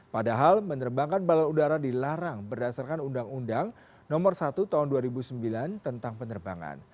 padahal menerbangkan balon udara dilarang berdasarkan undang undang nomor satu tahun dua ribu sembilan tentang penerbangan